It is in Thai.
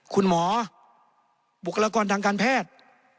คุณหมอบุคลากรทางการแพทย์